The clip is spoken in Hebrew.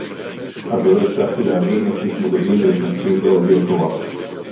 אבל לא הצלחתי להבין איך מתמודדים ונכנסים בעובי הקורה